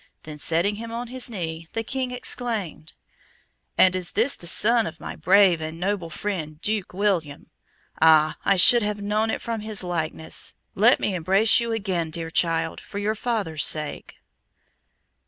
Then setting him on his knee, the King exclaimed, "And is this the son of my brave and noble friend, Duke William? Ah! I should have known it from his likeness. Let me embrace you again, dear child, for your father's sake."